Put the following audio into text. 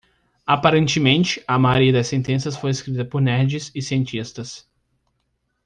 Aparentemente, a maioria das sentenças foi escrita por nerds e cientistas.